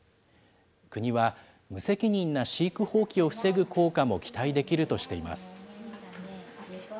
国は、無責任な飼育放棄を防ぐ効果も期待できるとしています。